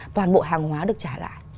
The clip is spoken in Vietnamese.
toàn bộ hàng hóa được trả lại